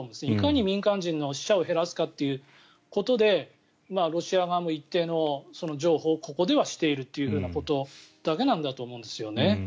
いかに民間人の死者を減らすかということでロシア側も一定の譲歩をここではしているということだと思うんですね。